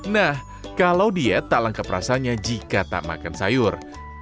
nah kalau diet tak lengkap rasanya jika tak makan sayur